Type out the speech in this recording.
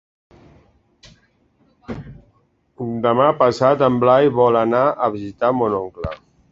Demà passat en Blai vol anar a visitar mon oncle.